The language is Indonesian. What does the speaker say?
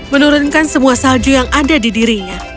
menurunkan semua salju yang ada di dirinya